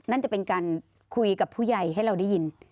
นั่นจะเป็นการคุยกับผู้ใหญ่ให้เราได้ยิน